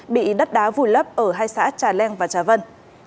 bị đất đá vùi lấp ở hai xã trà leng và trà vân